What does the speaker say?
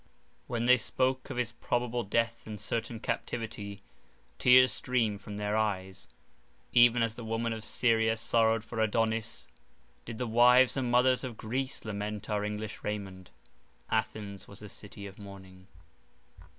When they spoke of his probable death and certain captivity, tears streamed from their eyes; even as the women of Syria sorrowed for Adonis, did the wives and mothers of Greece lament our English Raymond—Athens was a city of mourning.